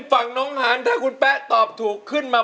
เพลงนี้อยู่ในอาราบัมชุดแรกของคุณแจ็คเลยนะครับ